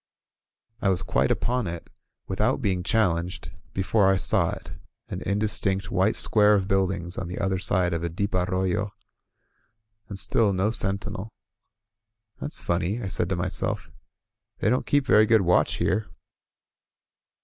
I was quite upon it, without being challenged, be fore I saw it, an indistinct white square of buildings on the other side of a deep arroyo. And still no sentinel. "That's funny,'* I said to myself. "They don't keep very good watch here."